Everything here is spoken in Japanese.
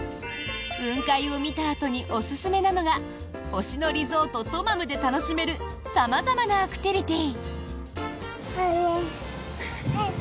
雲海を見たあとにおすすめなのが星野リゾートトマムで楽しめる様々なアクティビティー。